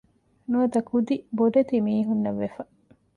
ނުވަތަ ކުދި ބޮޑެތި މީހުންނަށް ވެފަ